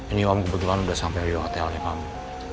ini om kebetulan udah sampe hotelnya kamu